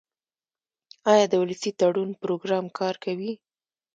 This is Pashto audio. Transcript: آیا د ولسي تړون پروګرام کار کوي؟